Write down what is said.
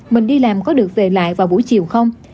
mình đi làm có được về lại vào buổi chiều không